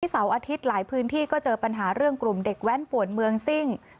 เสาร์อาทิตย์หลายพื้นที่ก็เจอปัญหาเรื่องกลุ่มเด็กแว้นป่วนเมืองซิ่ง